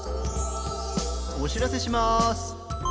おしらせします。